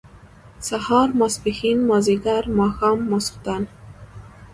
سهار ، ماسپښين، مازيګر، ماښام ، ماسخوتن